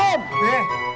orangnya kemana ya